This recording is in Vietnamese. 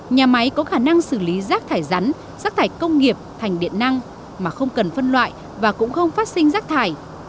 nhà máy có khả năng xử lý rác thải rắn rác thải công nghiệp thành điện năng mà không cần phân loại và cũng không phát sinh rác thải